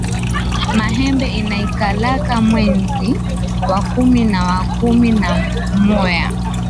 Mahembe inaikalaka mwenzi wa kumi na wa kumi na moya